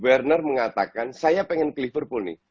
werner mengatakan saya pengen ke liverpool nih